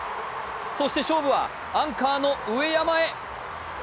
そして勝負はアンカーの上山へ。